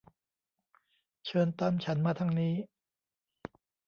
เชิญตามฉันมาทางนี้